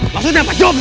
maksudnya apa jawab saya